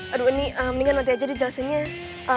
aduh ini mendingan nanti aja dijelasinnya ya